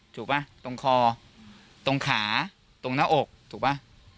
ถูกป่ะตรงคอตรงขาตรงหน้าอกถูกป่ะ